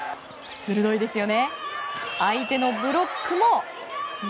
すごいですよね。